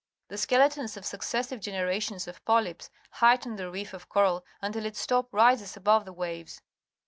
The skeletons of successive generations of polj^ps heighten the reef of coral until its top rises above the waves.